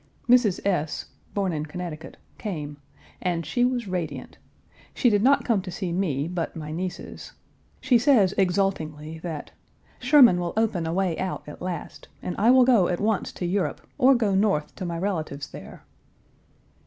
Mrs. S. (born in Connecticut) came, and she was radiant. She did not come to see me, but my nieces. She says exultingly that "Sherman will open a way out at last, and I will go at once to Europe or go North to my relatives there."